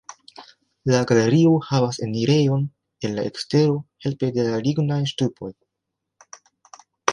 La galerio havas enirejon el la ekstero helpe de lignaj ŝtupoj.